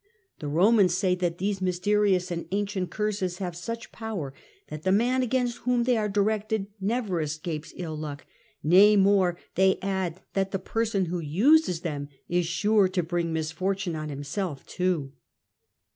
The Romans say that these mysterious and ancient curses have such power that the man against whom they are directed never escapes ill luck ; nay, more, they add that the person who uses them is sure to bring misfortune on himself also."